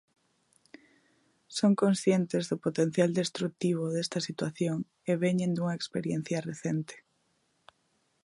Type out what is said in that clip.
Son conscientes do potencial destrutivo desta situación e veñen dunha experiencia recente.